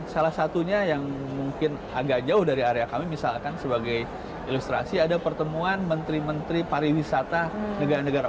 salah satunya yang mungkin agak jauh dari area kami misalkan sebagai ilustrasi ada pertemuan menteri menteri pariwisata negara negara lain